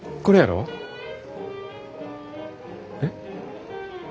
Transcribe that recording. これやろ？えっ？